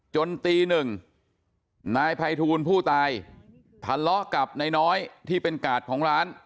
ตีหนึ่งนายภัยทูลผู้ตายทะเลาะกับนายน้อยที่เป็นกาดของร้าน